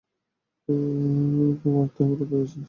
Roberto, আমরা পেরেছি।